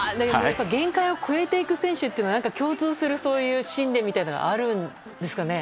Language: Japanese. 限界を超えていく選手って共通する信念みたいなのがあるんですかね。